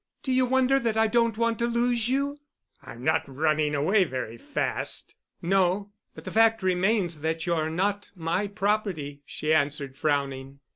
Do you wonder that I don't want to lose you?" "I'm not running away very fast." "No. But the fact remains that you're not my property," she answered, frowning.